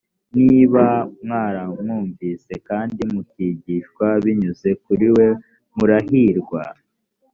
niba mwaramwumvise kandi mukigishwa binyuze kuri we murahirwa